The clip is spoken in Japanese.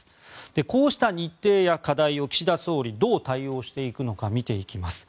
こうした日程や課題を岸田総理どう対応していくのか見ていきます。